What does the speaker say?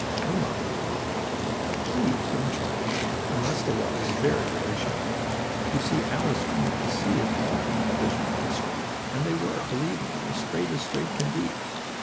Oh, my yes, but please don't try it, unless the water is very, very shallow. You see Alice wanted to see if all her feathers were on straight, and they were, believe me, as straight as straight can be.